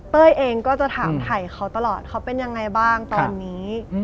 เองก็จะถามถ่ายเขาตลอดเขาเป็นยังไงบ้างตอนนี้